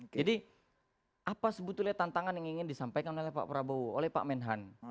jadi apa sebetulnya tantangan yang ingin disampaikan oleh pak prabowo oleh pak menhan